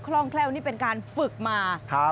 ร่องแคล่วนี่เป็นการฝึกมา